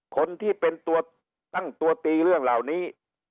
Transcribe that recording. คนที่เป็นตัวตั้งตัวตีเรื่องเหล่านี้